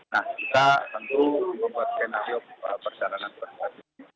nah kita tentu membuat skenario perjalanan persiapan ini